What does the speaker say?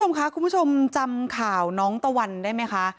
คุณผู้ชมคะคุณผู้ชมจำข่าวน้องตะวันได้ไหมคะ